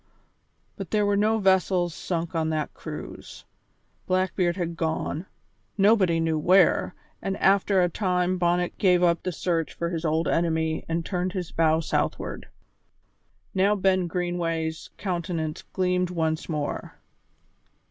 But there were no vessels sunk on that cruise. Blackbeard had gone, nobody knew where, and after a time Bonnet gave up the search for his old enemy and turned his bow southward. Now Ben Greenway's countenance gleamed once more.